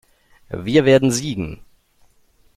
Wir werden siegen!